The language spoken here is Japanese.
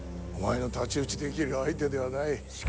お前が太刀打ちできる相手ではない。